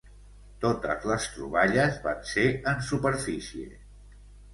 Totes les troballes van ser en superfície.